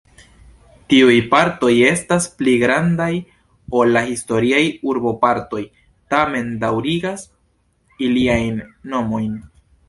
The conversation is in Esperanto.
Tiuj partoj estas pli grandaj ol la historiaj urbopartoj, tamen daŭrigas iliajn nomojn.